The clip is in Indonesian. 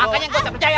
makanya gue gak percaya